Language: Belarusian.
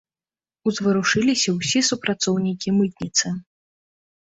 Узварушыліся ўсе супрацоўнікі мытніцы.